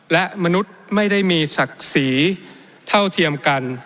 และมนุษย์ไม่ได้มีศักดิ์ศรีเท่าเทียมกัน